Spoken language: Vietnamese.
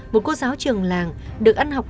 một cô giáo trường làng được ăn học